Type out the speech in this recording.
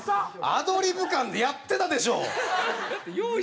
アドリブ感でやってたでしょ！